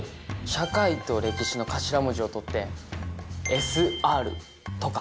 社会と歴史の頭文字を取って「ＳＲ」とか。